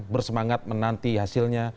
bersemangat menanti hasilnya